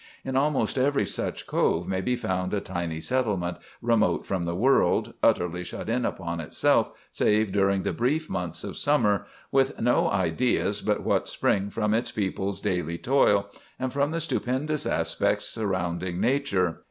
In almost every such cove may be found a tiny settlement, remote from the world, utterly shut in upon itself save during the brief months of summer, with no ideas but what spring from its people's daily toil and from the stupendous aspects of surrounding nature.